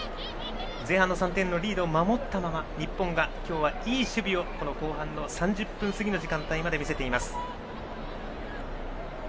前半の３点のリードを守ったまま日本が今日は、いい守備を後半の３０分過ぎの時間帯まで見せています。